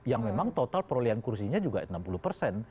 yang memang total perolehan kursinya juga enam puluh persen